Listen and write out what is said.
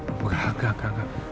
enggak enggak enggak